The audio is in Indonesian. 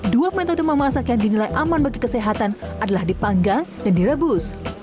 dua metode memasak yang dinilai aman bagi kesehatan adalah dipanggang dan direbus